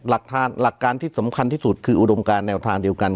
หลักการที่สำคัญที่สุดคืออุดมการแนวทางเดียวกัน